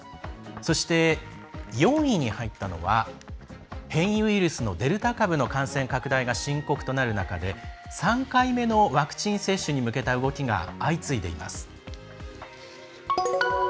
そして、４位に入ったのは変異ウイルスのデルタ株の感染拡大が深刻となる中で３回目のワクチン接種に向けた動きが相次いでいます。